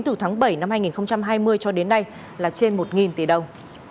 từ tháng bảy năm hai nghìn hai mươi cho đến nay là trên một tỷ đồng